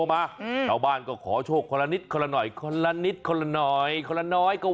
ชาวบ้านก็ขอโชคคนละนิดคนละหน่อยน้อย